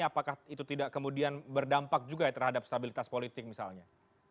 apakah itu tidak kemudian berdampak juga terhadap stabilitas politik misalnya